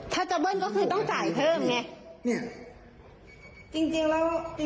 ถ้าจะเบิ้ลต้องก็ต้องจ่ายเพิ่มไง